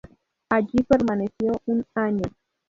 Allí permaneció un año.